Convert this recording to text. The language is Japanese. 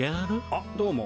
あっどうも。